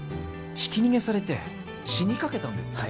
ひき逃げされて死にかけたんですよ